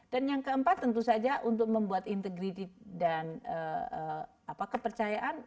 dan yang keempat tentu saja untuk membuat integriti dan kepercayaan